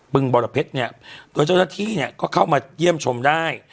ึงบรเพชรเนี่ยโดยเจ้าหน้าที่เนี่ยก็เข้ามาเยี่ยมชมได้